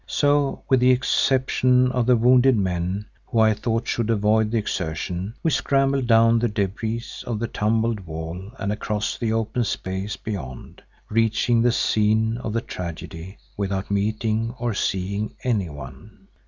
So with the exception of the wounded men, who I thought should avoid the exertion, we scrambled down the débris of the tumbled wall and across the open space beyond, reaching the scene of the tragedy without meeting or seeing anyone.